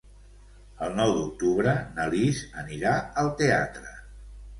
El nou d'octubre na Lis anirà al teatre.